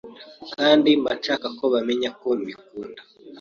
kandi mba nshaka ko bamenya ko mbikunda